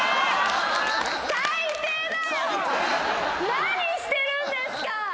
何してるんですか？